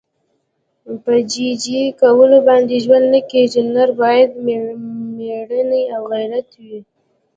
په جي جي کولو باندې ژوند نه کېږي. نر باید مېړنی او غیرتي وي.